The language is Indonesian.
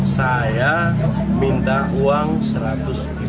saya minta uang dari dewi